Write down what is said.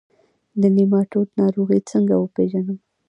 د نیماټوډ ناروغي څنګه وپیژنم؟